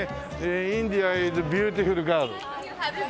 インディアイズビューティフルガール。